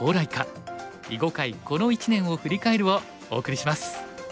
囲碁界この１年を振り返る」をお送りします。